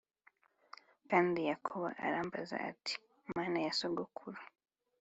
Kandi Yakobo Arambaza Ati Mana Ya Sogokuru